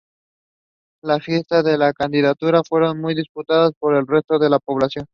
Las fiestas de la candidatura fueron muy disputadas por el resto de la población.